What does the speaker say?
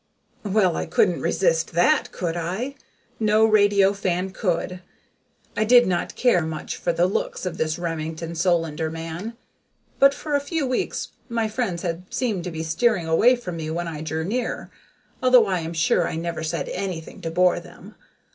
Well, I couldn't resist that, could I? No radio fan could. I did not care much for the looks of this Remington Solander man, but for a few weeks my friends had seemed to be steering away from me when I drew near, although I am sure I never said anything to bore them.